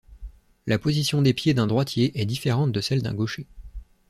La position des pieds d’un droitier est différente de celle d’un gaucher.